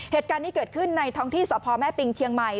เหตุการณ์นี้เกิดขึ้นในท้องที่สพแม่ปิงเชียงใหม่